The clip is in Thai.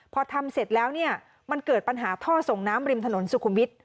พอทำเสร็จแล้วเนี่ยมันเกิดปัญหาท่อส่งน้ำริมถนนสุขุมวิทย